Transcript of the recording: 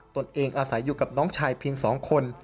ตนเองอาศัยอยู่กับน้องชายเพียง๒คน